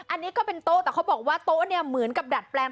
อันนี้ก็เป็นโต๊ะแต่เขาบอกว่าโต๊ะเนี่ยเหมือนกับดัดแปลง